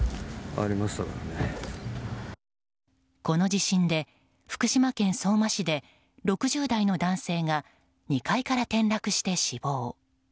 この地震で、福島県相馬市で６０代の男性が２階から転落して死亡。